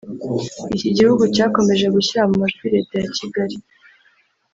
Iki gihugu cyakomeje gushyira mu majwi Leta ya Kigali